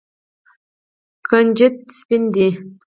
کنجد سپین دي.